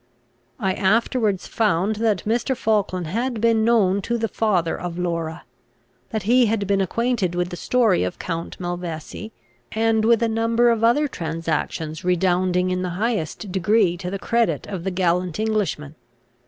I afterwards found that Mr. Falkland had been known to the father of Laura; that he had been acquainted with the story of Count Malvesi, and with a number of other transactions redounding in the highest degree to the credit of the gallant Englishman.